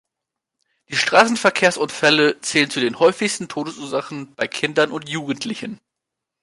Die Straßenverkehrsunfälle zählen zu den häufigsten Todesursachen bei Kindern und Jugendlichen.